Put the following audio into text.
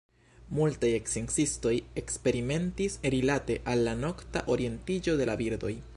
Multaj sciencistoj eksperimentis rilate al la nokta orientiĝo de la birdoj.